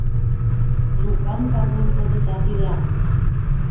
Лукан Пагул кызытат ила.